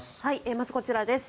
まずこちらです。